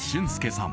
さん